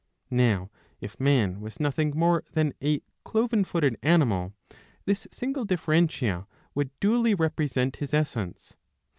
Now if man was nothing more than a Cloven footed animal, this single differentia would duly represent his essence.